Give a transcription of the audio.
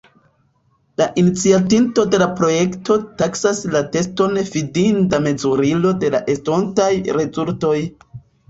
La iniciatinto de la projekto taksas la teston fidinda mezurilo de estontaj rezultoj.